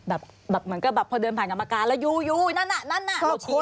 แบบมันก็แบบพอเดินผ่านกรรมการแล้วอยู่อยู่นั่นนะนั่นนะ